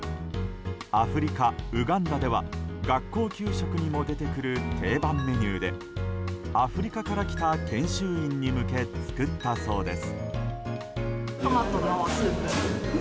アフリカ・ウガンダでは学校給食にも出てくる定番メニューでアフリカから来た研修員に向け作ったそうです。